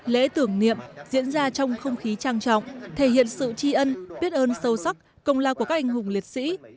lễ tưởng niệm diễn ra trong không khí trang trọng thể hiện sự tri ân biết ơn sâu sắc công lao của các anh hùng liệt sĩ